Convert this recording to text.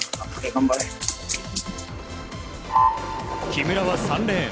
木村は３レーン。